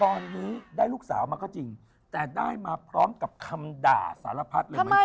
ตอนนี้ได้ลูกสาวมาก็จริงแต่ได้มาพร้อมกับคำด่าสารพัดเลยเหมือนกัน